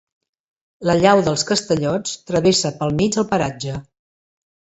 La llau dels Castellots travessa pel mig el paratge.